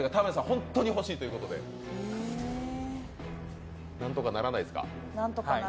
本当に欲しいということで何とかならないですか？